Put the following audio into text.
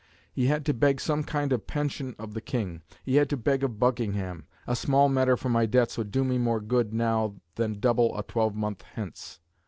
He had to beg some kind of pension of the King. He had to beg of Buckingham; "a small matter for my debts would do me more good now than double a twelvemonth hence.